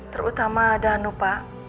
terutama danu pak